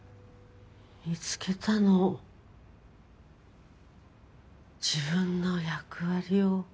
見つけたの自分の役割を。